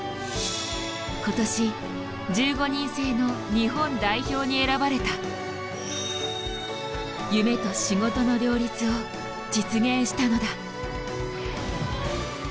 今年１５人制の日本代表に選ばれた。を実現したのだ。